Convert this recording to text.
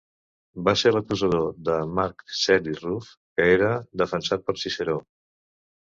Va ser l'acusador de Marc Celi Ruf, que era defensat per Ciceró.